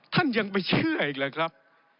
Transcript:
ท่านยังไปเชื่ออีกเลยครับ